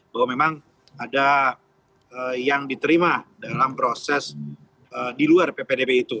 bahwa memang ada yang diterima dalam proses di luar ppdb itu